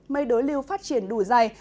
mây đối liêu phát triển đủ dày